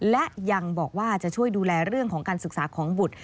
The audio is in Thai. และยังบอกว่าจะช่วยดูแลเรื่องของการศึกษาของบุตร